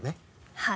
はい。